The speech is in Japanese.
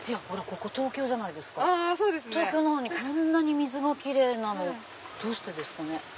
東京なのにこんなに水が奇麗なのどうしてですかね？